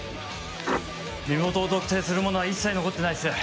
身元を特定するものは一切残ってないっす。